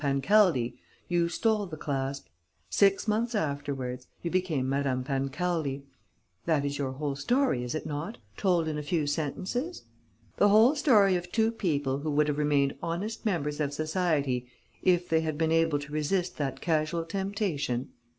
Pancaldi, you stole the clasp. Six months afterwards, you became Madame Pancaldi.... That is your whole story, is it not, told in a few sentences? The whole story of two people who would have remained honest members of society, if they had been able to resist that casual temptation?...